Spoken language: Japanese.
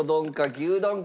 牛丼か？